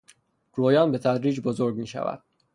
رویان به تدریج بزرگ میشود.